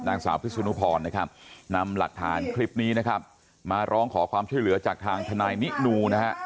นางสาวพิสุนุพรนะครับนำหลักฐานคลิปนี้นะครับมาร้องขอความช่วยเหลือจากทางทนายนินูนะฮะ